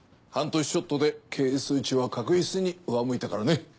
半年ちょっとで経営数値は確実に上向いたからね。